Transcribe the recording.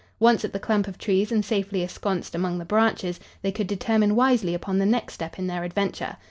Once at the clump of trees and safely ensconced among the branches, they could determine wisely upon the next step in their adventure.